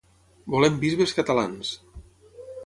Volem bisbes catalans!